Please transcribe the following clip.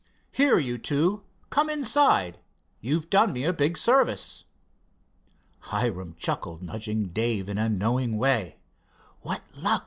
Here, you two, come inside. You've done me a big service." Hiram chuckled, nudging Dave in a knowing way. "What luck!"